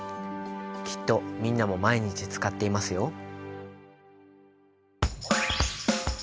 きっとみんなも毎日使っていますよ。